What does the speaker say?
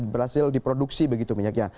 berhasil diproduksi begitu minyaknya